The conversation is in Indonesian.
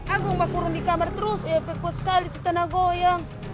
aku bakulun di kamar terus eh kuat sekali tanah goyang